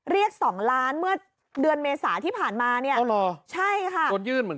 เรียก๒ล้านเมื่อเดือนเมษาที่ผ่านมาเนี่ย